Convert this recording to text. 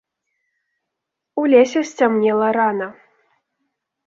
У лесе сцямнела рана.